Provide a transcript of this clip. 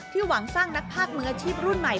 หวังสร้างนักภาคมืออาชีพรุ่นใหม่